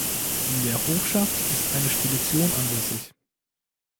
In der Hofschaft ist eine Spedition ansässig.